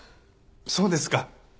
そうですか。